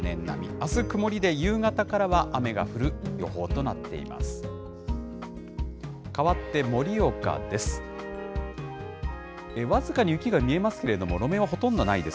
あす曇りで、夕方からは雨が降る予報となっています。